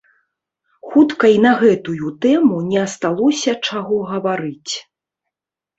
Хутка і на гэтую тэму не асталося чаго гаварыць.